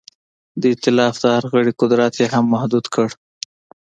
د ایتلاف د هر غړي قدرت یې هم محدود کړ.